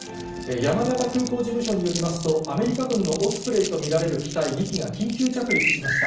山形空港事務所によりますと、アメリカ軍のオスプレイと見られる機体２機が緊急着陸しました。